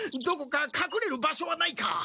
どこかかくれる場所はないか？